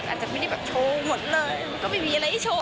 อาจจะไม่ได้แบบโชว์หมดเลยมันก็ไม่มีอะไรให้โชว์